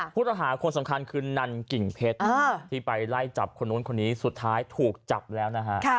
ผู้ต้องหาคนสำคัญคือนันกิ่งเพชรที่ไปไล่จับคนนู้นคนนี้สุดท้ายถูกจับแล้วนะฮะ